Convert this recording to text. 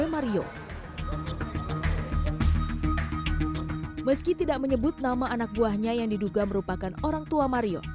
meski tidak menyebut nama anak buahnya yang diduga merupakan orang tua mario